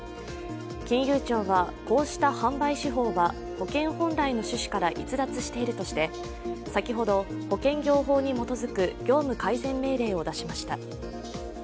金融庁は、こうした販売手法は保険本来の趣旨から逸脱しているとして先ほど、保険業法に基づく業務改善命令を出しました。